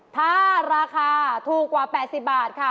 ถ้าราคาถูกกว่า๘๐บาทค่ะ